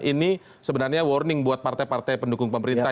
ini sebenarnya warning buat partai partai pendukung pemerintah